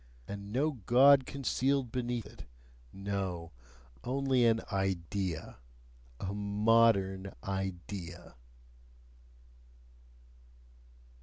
And no God concealed beneath it no! only an "idea," a "modern idea"!